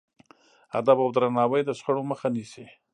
ادب او درناوی د شخړو مخه نیسي.